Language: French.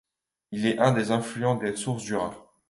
Il est un des affluents des sources du Rhin.